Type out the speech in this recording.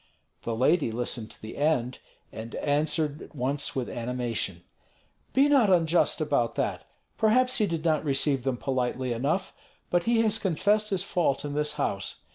The lady listened to the end, and answered at once with animation: "Be not unjust about that. Perhaps he did not receive them politely enough, but he has confessed his fault in this house.